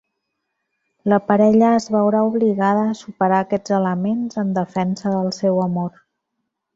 La parella es veurà obligada a superar aquests elements en defensa del seu amor.